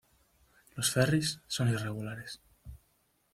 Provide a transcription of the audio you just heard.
Los ferries son irregulares.